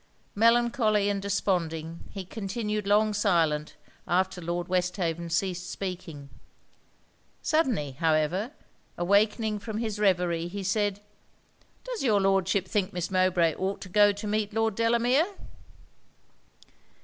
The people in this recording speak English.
Melancholy and desponding, he continued long silent after Lord Westhaven ceased speaking. Suddenly, however, awakening from his reverie, he said 'Does your Lordship think Miss Mowbray ought to go to meet Lord Delamere?'